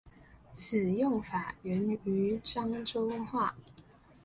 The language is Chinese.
此用法起源于漳州话。